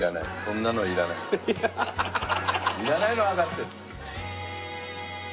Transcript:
いらないのはわかってる。